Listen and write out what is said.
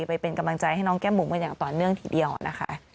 ไปเป็นกำลังใจให้น้องแก้มบุ๋มกันอย่างต่อเนื่องทีเดียวนะคะ